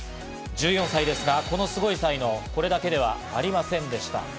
１４歳ですが、このすごい才能はこれだけではありませんでした。